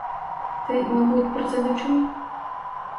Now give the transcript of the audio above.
Ти, мабуть, про це не чув?